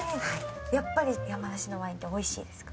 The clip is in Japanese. やっぱり山梨のワインっておいしいですか？